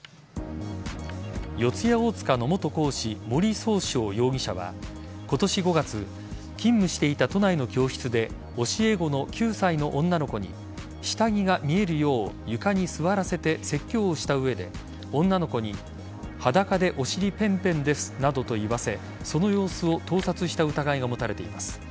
四谷大塚の元講師森崇翔容疑者は今年５月勤務していた都内の教室で教え子の９歳の女の子に下着が見えるよう床に座らせて説教をした上で女の子に、裸でお尻ペンペンですなどと言わせその様子を盗撮した疑いが持たれています。